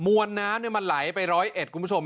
วนน้ำมันไหลไปร้อยเอ็ดคุณผู้ชม